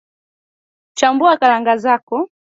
Chambua karanga zako